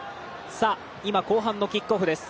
後半のキックオフです。